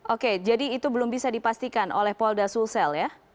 oke jadi itu belum bisa dipastikan oleh polda sulsel ya